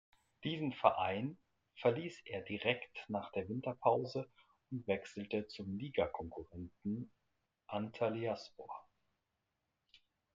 Diesen Verein verließ er direkt nach der Winterpause und wechselte zum Ligakonkurrenten Antalyaspor.